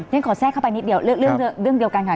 ฉันขอแทรกเข้าไปนิดเดียวเรื่องเดียวกันค่ะ